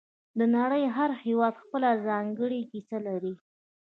د نړۍ هر هېواد خپله ځانګړې کیسه لري